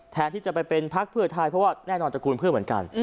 แทนที่จะไปเป็นพักเพื่อไทยเพราะว่าแน่นอนตระกูลเพื่อเหมือนกัน